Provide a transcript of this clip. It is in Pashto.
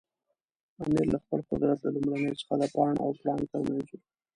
امیر له خپل قدرت له لومړیو څخه د پاڼ او پړانګ ترمنځ و.